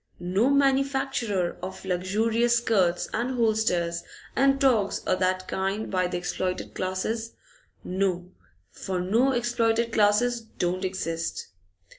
No manufacture of luxurious skirts and hulsters and togs o' that kind by the exploited classes. No, for no exploited classes don't exist!